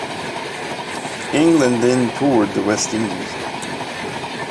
England then toured the West Indies.